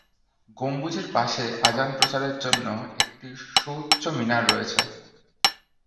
গম্বুজের পাশে আজান প্রচারের জন্য একটি সুউচ্চ মিনার রয়েছে।